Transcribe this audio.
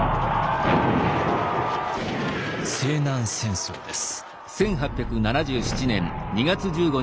西南戦争です。